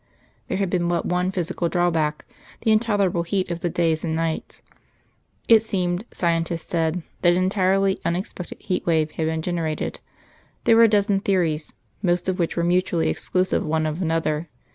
There had been but one physical drawback, the intolerable heat of the days and nights. It seemed, scientists said, that an entirely unexpected heat wave had been generated; there were a dozen theories, most of which were mutually exclusive one of another.